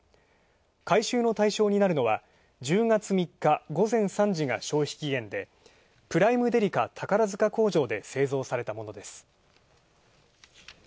回収の対象になるのは、１０月３日午前３時が消費期限でプライムデリカ宝塚工場で製造されたものです。